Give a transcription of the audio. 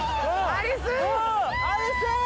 アリスだ！